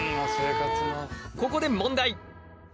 ここで問題！